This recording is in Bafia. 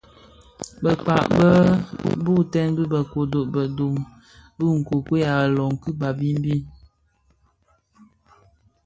Bëkpag be boytèn bi bë kodo bë ndom bi nkokuei a ilön ki Babimbi.